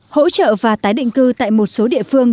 hỗ trợ và tái định cư tại một số địa phương